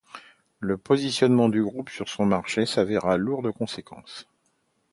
Le positionnement du groupe sur son marché s'avéra lourd de conséquences.